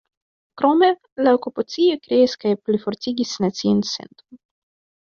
Krome, la okupacio kreis kaj plifortigis nacian senton.